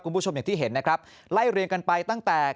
คุณผู้ชมอย่างที่เห็นนะครับไล่เรียงกันไปตั้งแต่